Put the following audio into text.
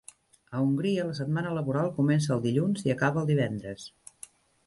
A Hongria, la setmana laboral comença el dilluns i acaba el divendres.